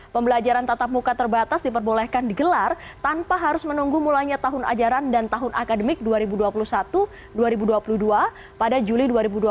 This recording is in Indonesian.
pembelajaran tatap muka terbatas diperbolehkan digelar tanpa harus menunggu mulanya tahun ajaran dan tahun akademik dua ribu dua puluh satu dua ribu dua puluh dua pada juli dua ribu dua puluh